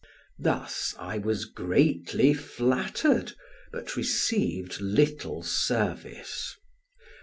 Thus I was greatly flattered, but received little service.